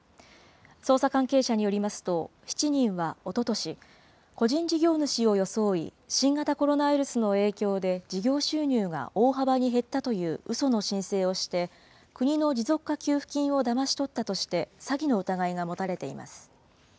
捜査関係者によりますと、７人はおととし、個人事業主を装い、新型コロナウイルスの影響で事業収入が大幅に減ったといううその申請をして、国の持続化給付金をだまし取ったとして、詐欺の疑いが持たれています。